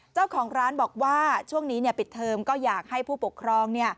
เจ้าของร้านบอกว่าช่วงนี้ปิดเทอมก็อยากให้ผู้ปกครอง